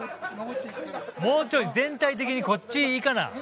もうちょい全体的にこっちいかな。